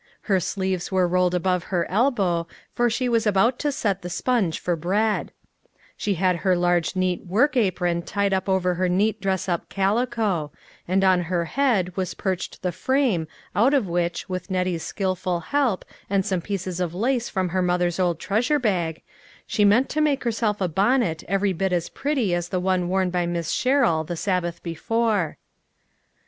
Her sleeves were rolled above her elbow, for she was about to set the sponge for bread ; she had her large neat work apron tied over her neat dress up calico; and on her head was perched the frame out of which, A WILL AND A WAY. 273 with Nettie's skilful help, and some pieces of lace from her mother's old treasure bag, she meant to make herself a bonnet every bit as pretty as the one worn by Miss Sherrill the Sab bath before.